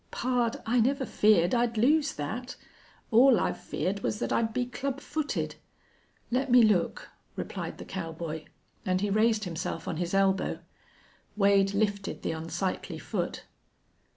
"Pard, I never feared I'd lose that. All I've feared was that I'd be club footed.... Let me look," replied the cowboy, and he raised himself on his elbow. Wade lifted the unsightly foot.